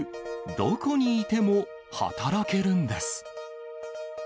どこにいても働けるんです。